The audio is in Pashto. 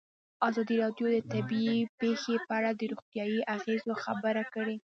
ازادي راډیو د طبیعي پېښې په اړه د روغتیایي اغېزو خبره کړې.